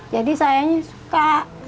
jadi sayangnya suka